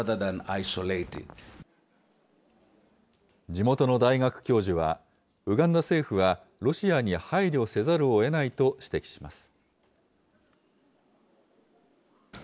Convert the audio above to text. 地元の大学教授は、ウガンダ政府はロシアに配慮せざるをえないと指摘します。